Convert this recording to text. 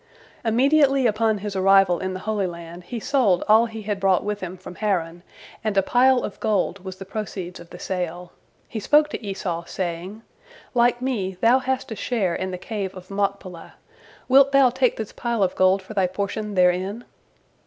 Immediately upon his arrival in the Holy Land he sold all he had brought with him from Haran, and a pile of gold was the proceeds of the sale. He spoke to Esau, saying: "Like me thou hast a share in the Cave of Machpelah, wilt thou take this pile of gold for thy portion therein?"